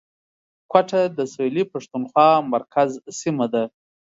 کوټه د سویلي پښتونخوا مرکز سیمه ده